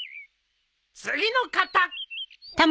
次の方。